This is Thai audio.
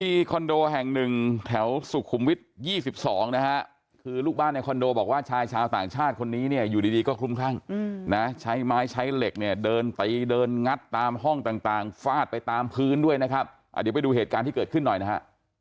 คอนโดแห่งหนึ่งแถวสุขุมวิทยี่สิบสองนะฮะคือลูกบ้านในคอนโดบอกว่าชายชาวต่างชาติคนนี้เนี่ยอยู่ดีดีก็คลุมคลั่งนะใช้ไม้ใช้เหล็กเนี่ยเดินตีเดินงัดตามห้องต่างฟาดไปตามพื้นด้วยนะครับเดี๋ยวไปดูเหตุการณ์ที่เกิดขึ้นหน่อยนะฮะ